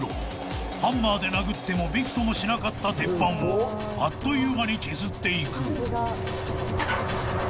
［ハンマーで殴ってもびくともしなかった鉄板をあっという間に削っていく］